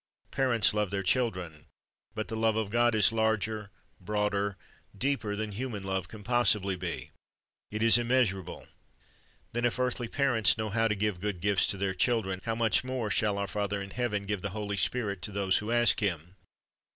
Parents love their children, but the love of God is larger, broader, deeper than human love can possibly be. It is immeasurable. Then if earthly parents know how to give good gifts to their children, how much more shall our Father in heaven give the Holy Spirit to those who ask Him?